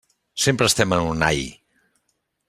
Sempre estem en un ai.